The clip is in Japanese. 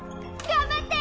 頑張って！